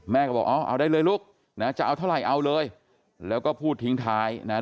แม่ก็บอกเอาได้เลยลูกนะจะเอาเท่าไหร่เอาเลยแล้วก็พูดทิ้งท้ายนะฮะ